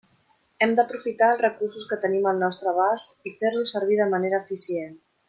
Hem d'aprofitar els recursos que tenim al nostre abast, i fer-los servir de manera eficient.